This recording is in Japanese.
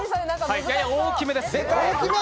やや大きめです。